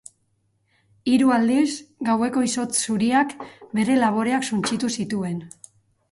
Hiru aldiz, gaueko izotz zuriak bere laboreak suntsitu zituen.